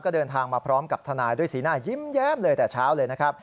ก็เดินทางมาพร้อมกับทนายด้วยสีหน้ายิ้มแย้มเลยแต่เช้าเลยนะครับ